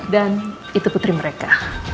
dan itu putri mereka